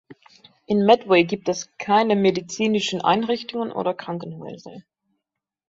In Medway gibt es keine medizinischen Einrichtungen oder Krankenhäuser.